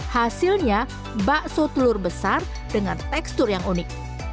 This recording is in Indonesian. hasilnya bakso telur besar dengan tekstur yang unik